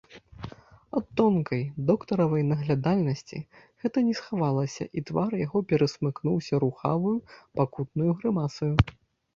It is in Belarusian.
Ад тонкай доктаравай наглядальнасці гэта не схавалася, і твар яго перасмыкнуўся рухаваю, пакутнаю грымасаю.